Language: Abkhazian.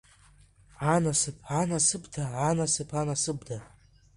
Анасыԥ, анасыԥда, анасыԥ, анасыԥда…